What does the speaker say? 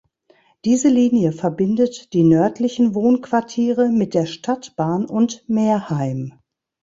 Diese Linie verbindet die nördlichen Wohnquartiere mit der Stadtbahn und Merheim.